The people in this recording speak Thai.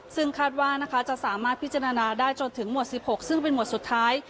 ซึ่งคาดว่านะคะจะสามารถพิจารณาได้จนถึงหมวด๑๖ซึ่งเป็นหวดสุดท้าย